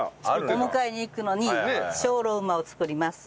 お迎えに行くのに精霊馬を作ります。